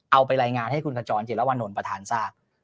เอาไปรายงานให้คุณขจรจิรวรรณลประธานทราบ